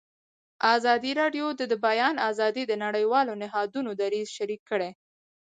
ازادي راډیو د د بیان آزادي د نړیوالو نهادونو دریځ شریک کړی.